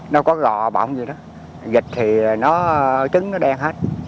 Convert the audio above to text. nó có gò bọng gì đó vịt thì trứng nó đen hết